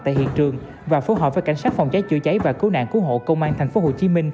tại hiện trường và phối hợp với cảnh sát phòng cháy chữa cháy và cứu nạn cứu hộ công an tp hcm